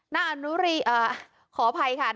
นางอธิอือขอผัยค่ะ